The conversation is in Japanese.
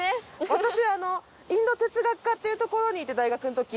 私インド哲学科っていうところにいて大学の時。